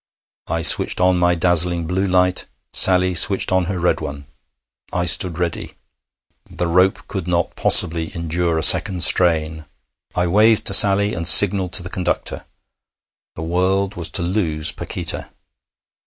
I switched on my dazzling blue light; Sally switched on her red one. I stood ready. The rope could not possibly endure a second strain. I waved to Sally and signalled to the conductor. The world was to lose Paquita.